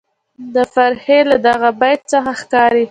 د فرخي له دغه بیت څخه ښکاري،